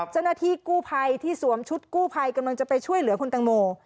เจ้าหน้าที่กู้ภัยที่สวมชุดกู้ภัยกำลังจะไปช่วยเหลือคุณตังโม